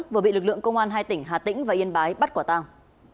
vừa bị lực lượng công an hai tỉnh hà tĩnh và yên bái bắt quả tàng